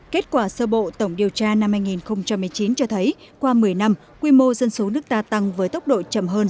kết quả sơ bộ tổng điều tra năm hai nghìn một mươi chín cho thấy qua một mươi năm quy mô dân số nước ta tăng với tốc độ chậm hơn